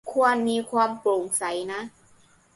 ควรมีความโปร่งใสนะ